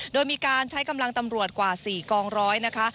โดยมีการใช้กำลังตำรวจกว่า๔กองร้อยนะคะ